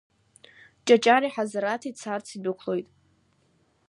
Ҷаҷари Ҳазараҭи царц идәықәлоит.